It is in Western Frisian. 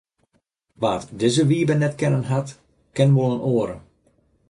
Wa’t dizze Wybe net kennen hat, ken wol in oare.